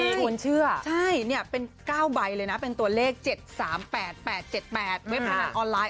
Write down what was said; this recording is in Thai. ชวนเชื่อใช่เป็น๙ใบเลยนะเป็นตัวเลข๗๓๘๘๗๘เว็บพนันออนไลน